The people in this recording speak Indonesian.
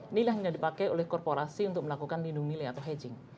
nilai hanya dipakai oleh korporasi untuk melakukan lindung nilai atau hedging